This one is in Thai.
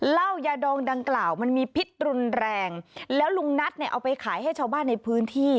เหล้ายาดองดังกล่าวมันมีพิษรุนแรงแล้วลุงนัทเนี่ยเอาไปขายให้ชาวบ้านในพื้นที่